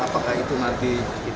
apakah itu nanti